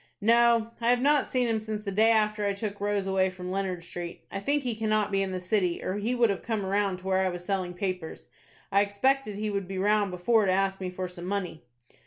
"No, I have not seen him since the day after I took Rose away from Leonard Street. I think he cannot be in the city, or he would have come round to where I was selling papers. I expected he would be round before to ask me for some money."